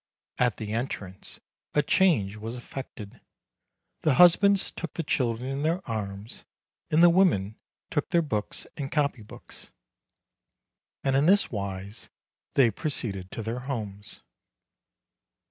At the entrance a change was effected : the husbands took the children in their arms, and the women took their books and copy books ; and in this wise they proceeded to their homes.